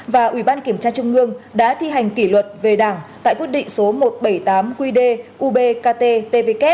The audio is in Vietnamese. và ủy ban kiểm tra trung ương đã thi hành kỷ luật về đảng tại quyết định số một trăm bảy mươi tám qdubkttvk